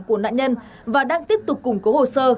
của nạn nhân và đang tiếp tục củng cố hồ sơ